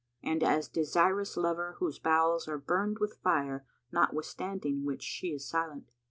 And a desirous lover whose bowels are burned with fire notwithstanding which she is silent.